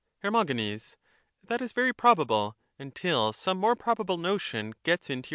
Her. That is very probable, until some more probable notion gets into yoiu" head.